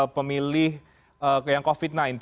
pemilih yang covid sembilan belas